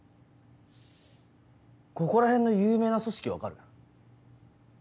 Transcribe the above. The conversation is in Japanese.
ここら辺の有名な組織分かる？